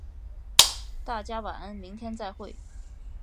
大家晚安，明天再会。